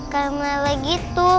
kayak meleleh gitu